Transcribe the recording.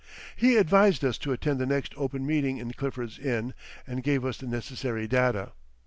He advised us to attend the next open meeting in Clifford's Inn and gave us the necessary data.